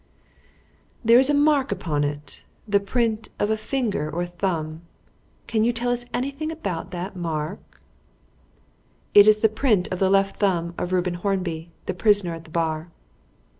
"There is a mark upon it the print of a finger or thumb. Can you tell us anything about that mark?" "It is the print of the left thumb of Reuben Hornby, the prisoner at the bar."